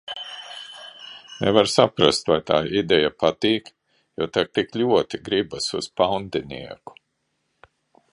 Nevar saprast, vai tā ideja patīk, jo tak tik ļoti gribas uz paundinieku.